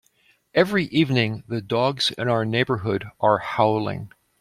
Every evening, the dogs in our neighbourhood are howling.